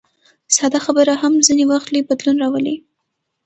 ساده خبره هم ځینې وخت لوی بدلون راولي.